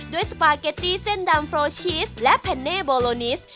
สปาเกตตี้เส้นดำโรชีสและเพนเน่โบโลนิส